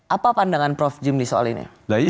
apa pandangan prof jimli soal ini